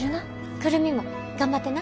久留美も頑張ってな。